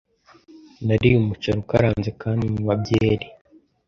Nariye umuceri ukaranze kandi nywa byeri.